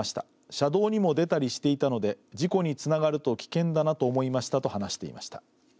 車道にも出たりしていたので事故につながると危険だなと思いましたと話していました。